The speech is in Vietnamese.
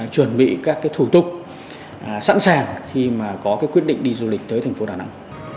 chuẩn bị các cái thủ tục sẵn sàng khi mà có cái quyết định đi du lịch tới thành phố đà nẵng